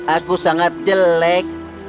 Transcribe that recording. aku sangat jelek